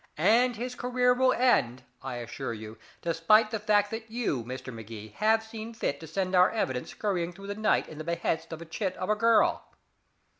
And his career will end, I assure you, despite the fact that you, Mr. Magee, have seen fit to send our evidence scurrying through the night at the behest of a chit of a girl.